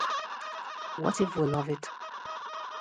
What if we love it?